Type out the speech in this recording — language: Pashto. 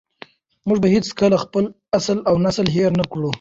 موږ به هېڅکله خپل اصل او نسل هېر نه کړو.